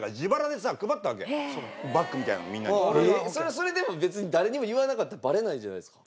それでも別に誰にも言わなかったらバレないじゃないですか。